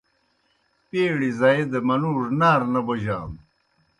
پَیڑیْ زائی دہ منُوڙوْ نارہ نہ بوجانوْ۔